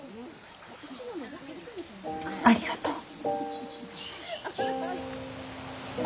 ありがとう。